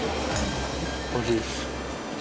おいしいです。